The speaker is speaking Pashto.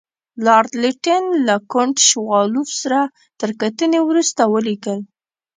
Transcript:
لارډ لیټن له کنټ شووالوف سره تر کتنې وروسته ولیکل.